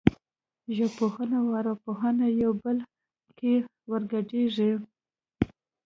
ژبپوهنه او ارواپوهنه په یو بل کې ورګډېږي